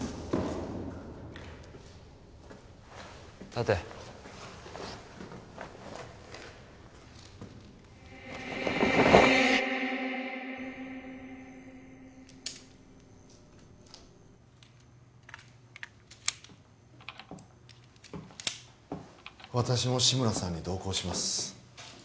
立て私も志村さんに同行します